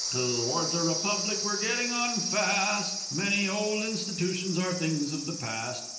_) To wards a Republic we're getting on fast; Many old Institootions are things of the past.